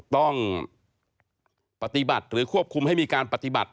ต้องปฏิบัติหรือควบคุมให้มีการปฏิบัติ